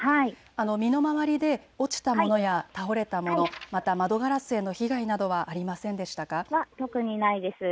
身の回りで落ちたものや倒れたもの、また窓ガラスへの被害などはありませんでしたでしょうか。